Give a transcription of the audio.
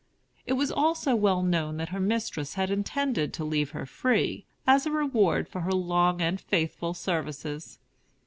It was also well known that her mistress had intended to leave her free, as a reward for her long and faithful services.